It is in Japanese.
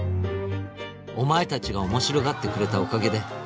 「お前達が面白がってくれたおかげで」